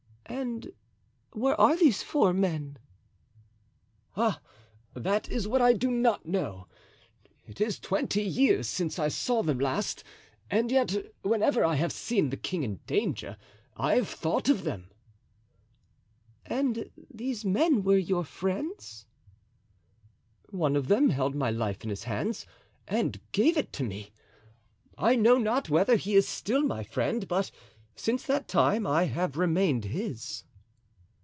"And where are these four men?" "Ah, that is what I do not know. It is twenty years since I saw them, and yet whenever I have seen the king in danger I have thought of them." "And these men were your friends?" "One of them held my life in his hands and gave it to me. I know not whether he is still my friend, but since that time I have remained his."